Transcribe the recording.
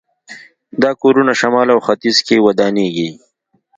دا کورونه شمال او ختیځ کې ودانېږي.